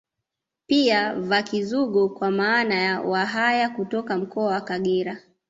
Pia Vakizungo kwa maana ya Wahaya kutoka mkoa wa Kagera